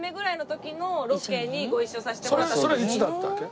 それいつだったわけ？